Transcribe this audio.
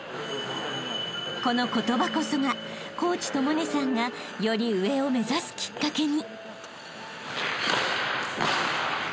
［この言葉こそがコーチと百音さんがより上を目指すきっかけに］